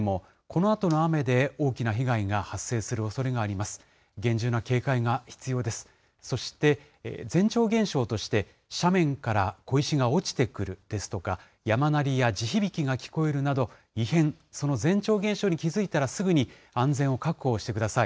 そして、前兆現象として、斜面から小石が落ちてくるですとか、山鳴りや地響きが聞こえるなど、異変、その前兆現象に気付いたら、すぐに安全を確保してください。